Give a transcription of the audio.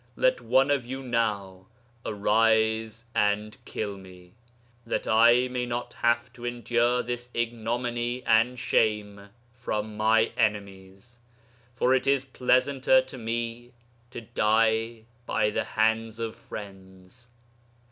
Let one of you now arise and kill me, that I may not have to endure this ignominy and shame from my enemies; for it is pleasanter to me to die by the hands of friends."